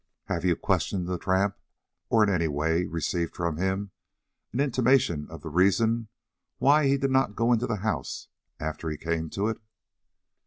"Have you questioned the tramp, or in any way received from him an intimation of the reason why he did not go into the house after he came to it?"